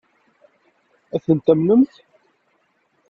Ad tent-amnent?